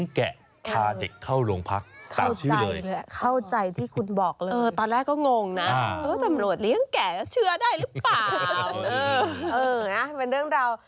อือตอนแรกก็งงนะเอ๊ะตำรวจเลี้ยงแก่ก็เชื่อได้หรือเปล่า